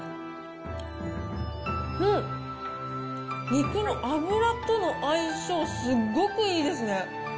肉の脂との相性、すっごくいいですね。